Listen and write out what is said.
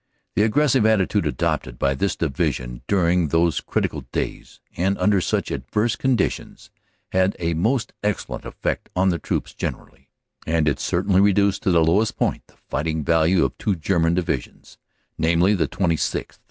The aggressive attitude adopted by this Divi sion during those critical days and under such adverse con ditions had a most excellent effect on the troops generally, and it certainly reduced to the lowest point the fighting value of 15 16 CANADA S HUNDRED DAYS two German Divisions, namely, the 26th.